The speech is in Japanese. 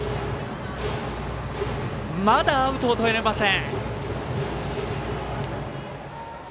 まだアウトをとれません。